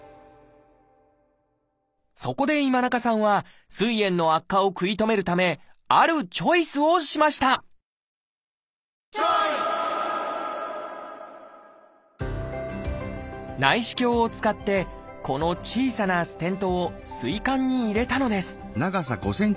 そこで今中さんはすい炎の悪化を食い止めるためあるチョイスをしました内視鏡を使ってこの小さなステントをすい管に入れたのです